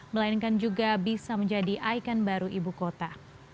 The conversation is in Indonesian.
melainkan juga bisa menjadi ikon baru ibu kota